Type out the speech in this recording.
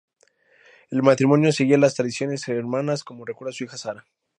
El matrimonio seguía las tradiciones germanas como recuerda su hija Sara.